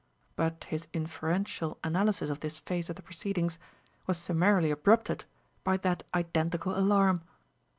But his inferential analysis of this phase of the proceedings was summarily abrupted by that identical alarm.